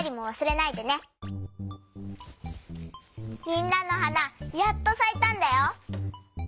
みんなのはなやっとさいたんだよ！